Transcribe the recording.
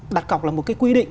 đặt cọc là một cái quy định